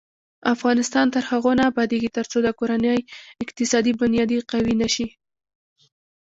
افغانستان تر هغو نه ابادیږي، ترڅو د کورنۍ اقتصادي بنیادي قوي نشي.